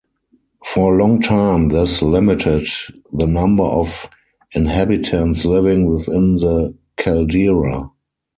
For a long time, this limited the number of inhabitants living within the caldera.